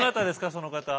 その方。